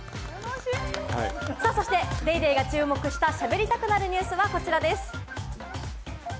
そして『ＤａｙＤａｙ．』が注目した、しゃべりたくなるニュスはこちらです。